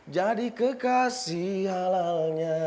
jadi kekasih halalnya